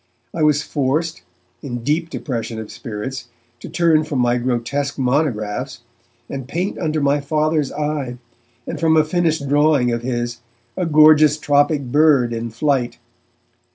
I was forced, in deep depression of spirits, to turn from my grotesque monographs, and paint under my Father's eye, and, from a finished drawing of his, a gorgeous tropic bird in flight.